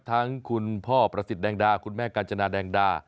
คุณพ่อประสิทธิ์แดงดาคุณแม่กาญจนาแดงดา